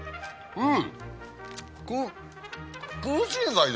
うん！